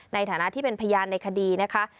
ในฐานะที่เป็นพยานในคดีนะคะ